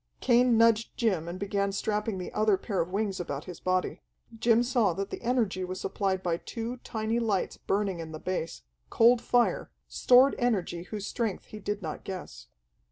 Cain nudged Jim and began strapping the other pair of wings about his body. Jim saw that the energy was supplied by two tiny, lights burning in the base, cold fire, stored energy whose strength he did not guess.